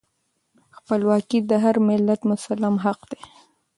خپلواکي د هر ملت مسلم حق دی.